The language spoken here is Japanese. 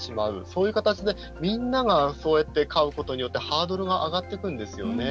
そういう形で、みんながそうやって買うことによってハードルが上がってくんですよね。